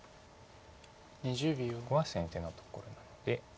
ここは先手のところなので。